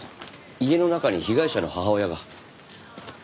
家の中に被害者の母親が。